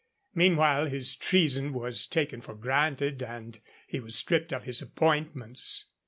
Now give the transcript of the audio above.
Meanwhile his treason was taken for granted, and he was stripped of his appointments.